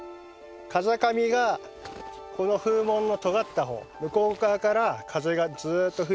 風上がこの風紋のとがった方向こう側から風がずっと吹いてきてますね。